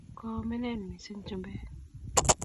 Koominen mising chumbek